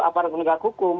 aparat negara hukum